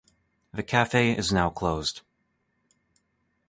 The cafe is now closed.